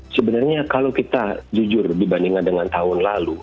sebenarnya kalau kita jujur dibandingkan dengan tahun lalu